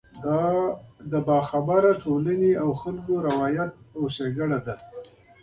د باخبره ټولنې او خلکو روایت او ښېګړه ده.